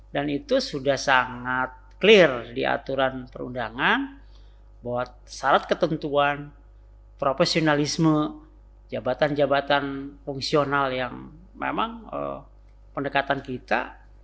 dan itu sudah sangat clear di aturan perundangan buat syarat ketentuan profesionalisme jabatan jabatan fungsional yang memang pendekatan kita